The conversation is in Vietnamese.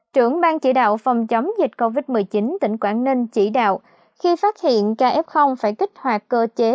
trưởng bang chỉ đạo phòng chống dịch covid một mươi chín tỉnh quảng ninh chỉ đạo khi phát hiện caf phải kích hoạt cơ chế